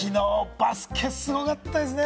バスケすごかったですね。